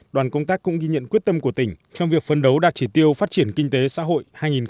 đoàn công tác cũng ghi nhận quyết tâm của tỉnh trong việc phấn đấu đạt chỉ tiêu phát triển kinh tế xã hội hai nghìn hai mươi